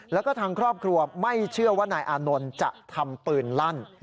แล้วก็ทางครอบครัวไม่เชื่อว่านายอานนท์จะทำปืนลั่น